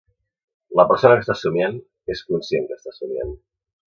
la persona que està somiant és conscient que està somiant